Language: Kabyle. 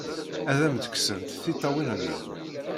Ad am-d-kksent tiṭṭawin-nnem!